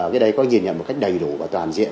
cái đấy có nhìn nhận một cách đầy đủ và toàn diện